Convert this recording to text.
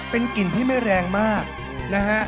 เป็นกลิ่นที่ไม่แรงมากนะฮะ